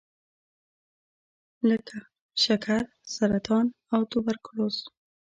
لکه شکر، سرطان او توبرکلوز.